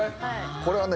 これはね